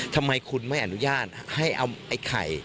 ทำไมคุณไม่อนุญาตให้เอาไอ้ไข่